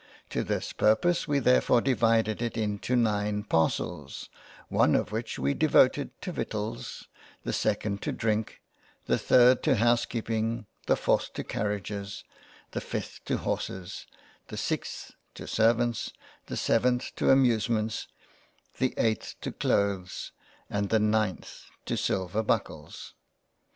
To this purpose we therefore divided it into nine parcels, one of which we devoted to Victuals, the 2 d to Drink, the 3 d to House keeping, the 4th to Carriages, the 5 th to Horses, the 6th to Servants, the 7th to Amusements the 8th to Cloathes and the 9th to Silver Buckles.